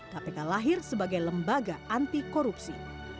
kpk lahir sebagai lembaga anti korupsi